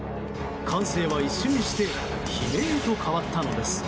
歓声は、一瞬にして悲鳴へと変わったのです。